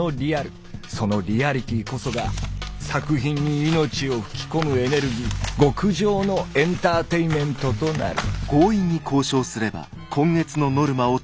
その「リアリティ」こそが作品に命を吹き込むエネルギー極上のエンターテインメントとなる。